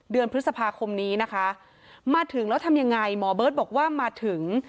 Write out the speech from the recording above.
เดือนพฤษภาคมนี้นะคะมาถึงแล้วทำยังไงหมอเบิร์ตบอกว่ามาถึง